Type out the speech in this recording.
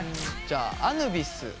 じゃああぬビス。